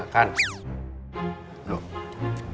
katanya apa bos kemarin